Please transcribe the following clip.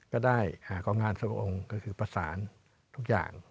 ก็ได้กรองงานส่วนลวงก็คือประสานทุกอย่าง